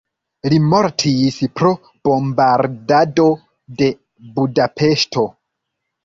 Li mortis pro bombardado de Budapeŝto.